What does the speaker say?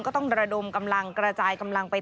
ก็ต้องระดมกำลังกระจายกำลังไป